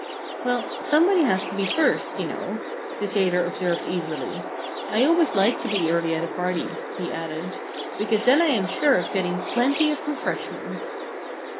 "Well, somebody has to be first, you know," the tailor observed easily. "I always like to be early at a party," he added, "because then I am sure of getting plenty of refreshments."